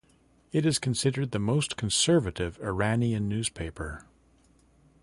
It is considered the most conservative Iranian newspaper.